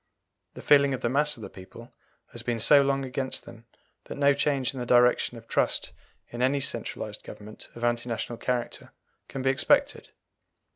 The feeling of the mass of the people has been so long against them that no change in the direction of trust in any centralized government of anti national character can be expected.